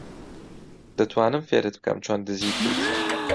دەتوانم فێرت بکەم چۆن دزی بکەیت.